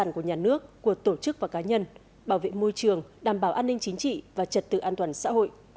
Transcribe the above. của tổ chức và cá nhân bảo vệ môi trường đảm bảo an ninh chính trị và trật tự an toàn xã hội